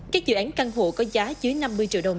các dự án căn hộ có giá dưới năm mươi triệu đồng